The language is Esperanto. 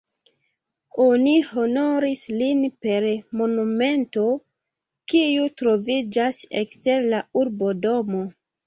Oni honoris lin per monumento, kiu troviĝas ekster la urbodomo.